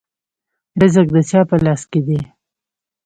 رزق د چا په لاس کې دی؟